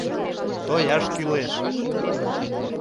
Тояш кӱлеш!..